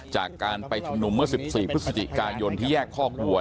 จากการไปชุมนุมเมื่อ๑๔พฤศจิกายนที่แยกคอกวัว